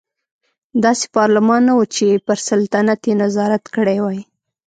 داسې پارلمان نه و چې پر سلطنت یې نظارت کړی وای.